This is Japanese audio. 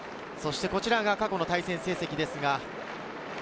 こちらが過去の対戦成績です。